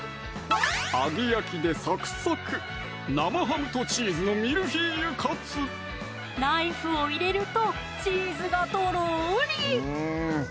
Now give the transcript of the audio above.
揚げ焼きでサクサクナイフを入れるとチーズがとろり！